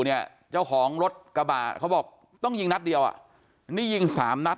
เนี่ยเจ้าของรถกระบะเขาบอกต้องยิงนัดเดียวอ่ะนี่ยิงสามนัด